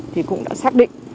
thì cũng đã xác định